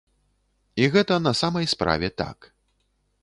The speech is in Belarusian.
І гэта на самай справе так.